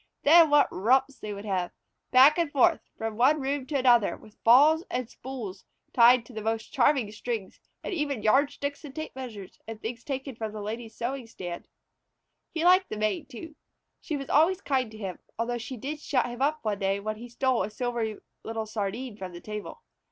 Then what romps they would have! Back and forth from one room to another, with balls, spools tied onto the most charming strings, and even yardsticks and tape measures, and things taken from the Lady's sewing stand. He liked the Maid, too. She was always kind to him, although she did shut him up one day when he stole a silvery little sardine from the table.